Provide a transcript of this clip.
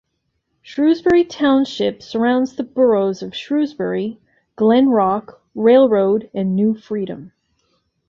Shrewsbury Township surrounds the boroughs of Shrewsbury, Glen Rock, Railroad, and New Freedom.